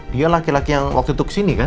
dia laki laki yang waktu itu kesini kan